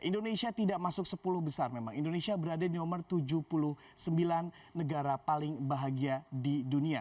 indonesia tidak masuk sepuluh besar memang indonesia berada di nomor tujuh puluh sembilan negara paling bahagia di dunia